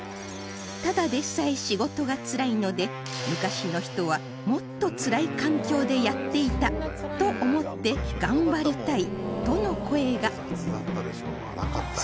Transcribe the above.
ただでさえ仕事がつらいので昔の人はもっとつらい環境でやっていたと思って頑張りたいとの声が